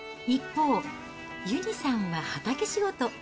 一方、ゆにさんは畑仕事。